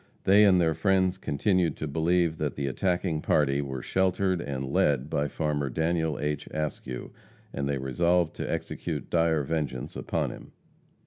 They and their friends continued to believe that the attacking party were sheltered and led by farmer Daniel H. Askew, and they resolved to execute dire vengeance upon him.